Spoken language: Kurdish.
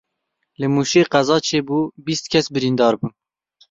Li Mûşê qeza çêbû bîst kes birîndar bûn.